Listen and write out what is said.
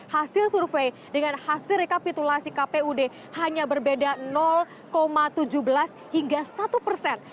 hasil survei dengan hasil rekapitulasi kpud hanya berbeda tujuh belas hingga satu persen